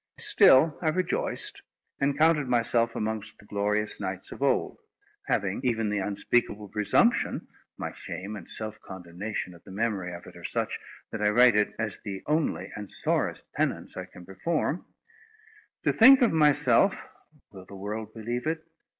Still I rejoiced, and counted myself amongst the glorious knights of old; having even the unspeakable presumption—my shame and self condemnation at the memory of it are such, that I write it as the only and sorest penance I can perform—to think of myself (will the world believe it?)